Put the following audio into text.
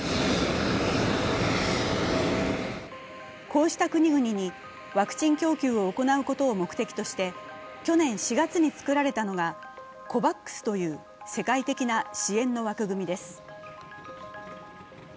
こうした国々にワクチン供給を行うことを目的として去年４月に作られたのがＣＯＶＡＸという世界的な支援の枠組みです。